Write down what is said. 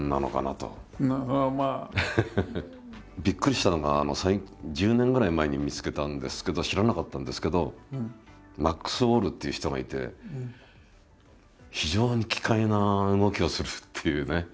びっくりしたのが１０年ぐらい前に見つけたんですけど知らなかったんですけどマックス・ウォールっていう人がいて非常に奇怪な動きをするっていうね。